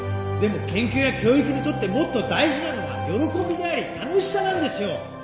でも研究や教育にとってもっと大事なのは喜びであり楽しさなんですよ！